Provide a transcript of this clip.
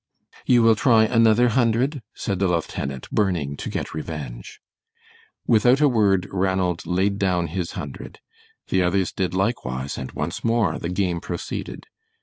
"You will try another hundred?" said the lieutenant, burning to get revenge. Without a word Ranald laid down his hundred; the others did likewise, and once more the game proceeded.